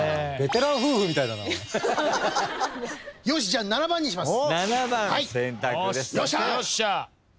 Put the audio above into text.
じゃあ７番にします。